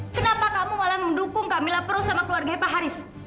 kenapa kamu malah mendukung kamila perus sama keluarga pak haris